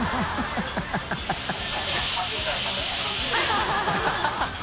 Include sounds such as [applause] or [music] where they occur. ハハハ [laughs]